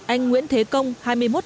anh nguyễn thế công hai mươi một tuổi